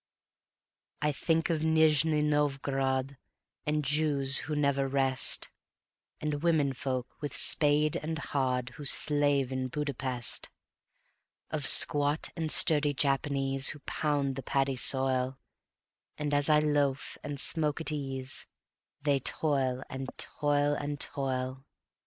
I think of Nijni Novgorod And Jews who never rest; And womenfolk with spade and hod Who slave in Buda Pest; Of squat and sturdy Japanese Who pound the paddy soil, And as I loaf and smoke at ease They toil and toil and toil.